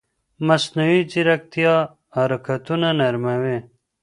مصنوعي ځیرکتیا حرکتونه نرموي.